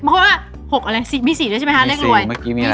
เพราะว่า๖อะไรมี๔ด้วยใช่ไหมฮะเรื่องรวยมี๔เมื่อกี้มีแหละ